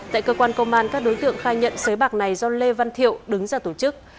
tại cơ quan công an các đối tượng khai nhận sới bạc này do lê văn thiệu đứng ra tổ chức